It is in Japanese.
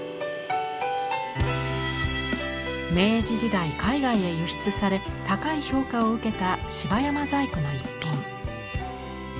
明治時代海外へ輸出され高い評価を受けた芝山細工の一品。